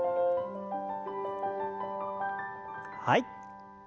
はい。